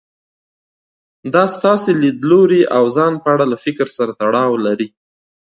دا ستاسې له ليدلوري او ځان په اړه له فکر سره تړاو لري.